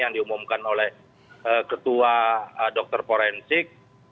yang diumumkan oleh ketua dr forensik